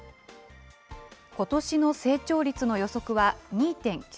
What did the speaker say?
ことしの成長率の予測は２．９％。